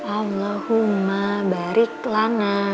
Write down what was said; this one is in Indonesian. allahumma barik lana